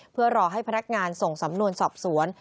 เพื่อรอให้พนักงานส่งสำนวนสอบสวน